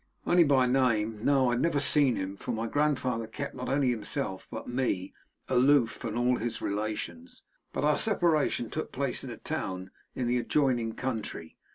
'Only by name. No, I had never seen him, for my grandfather kept not only himself but me, aloof from all his relations. But our separation took place in a town in the adjoining country.